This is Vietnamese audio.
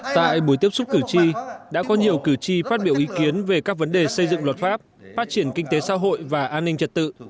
tại buổi tiếp xúc cử tri đã có nhiều cử tri phát biểu ý kiến về các vấn đề xây dựng luật pháp phát triển kinh tế xã hội và an ninh trật tự